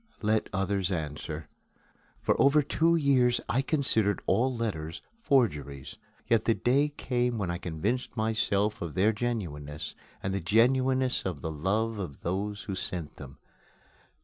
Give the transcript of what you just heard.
Let others answer. For over two years I considered all letters forgeries. Yet the day came when I convinced myself of their genuineness and the genuineness of the love of those who sent them.